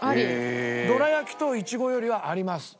どら焼きといちごよりはあります。